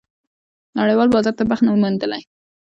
نړېوال بازار ته بخت نه موندلی.